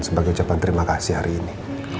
sebagai ucapan terima kasih hari ini